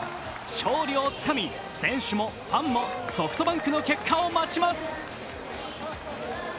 勝利をつかみ選手もファンもソフトバンクの結果を待ちます。